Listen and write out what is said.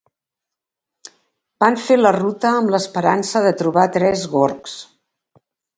van fer la ruta amb l'esperança de trobar tres gorgs